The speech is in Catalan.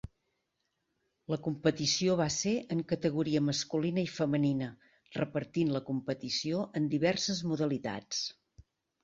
La competició va ser en categoria masculina i femenina repartint la competició en diverses modalitats.